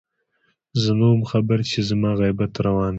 زه نه وم خبر چې زما غيبت روان دی